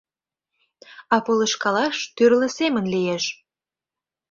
А полышкалаш тӱрлӧ семын лиеш.